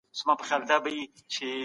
دوی د بل پرغم اوښکي تویوي